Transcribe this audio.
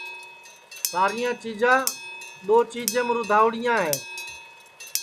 ساریاں چیجاں دؔوجیم رودھاوڑیاں ہے